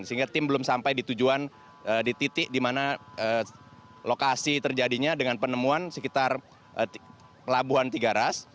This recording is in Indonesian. sehingga tim belum sampai di tujuan di titik dimana lokasi terjadinya dengan penemuan sekitar labuan tigaras